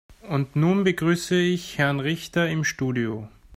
Und nun begrüße ich Herrn Richter im Studio.